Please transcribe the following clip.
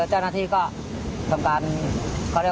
เจ้าหน้าที่ว่าอย่างไร